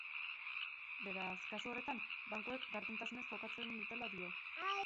Beraz, kasu horretan bankuek gardentasunez jokatzen dutela dio.